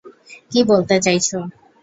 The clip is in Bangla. কি বলতে চাইছো?